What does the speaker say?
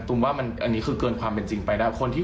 ว่าอันนี้คือเกินความเป็นจริงไปได้